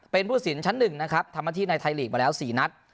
เป็นผู้สินชั้นหนึ่งนะครับทำพันธุ์ที่ในไทยหลีกมาแล้วสี่นัด